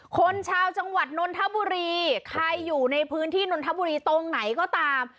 คนชาวจังหวัดนนทบุรีใครอยู่ในพื้นที่นนทบุรีตรงไหนก็ตาม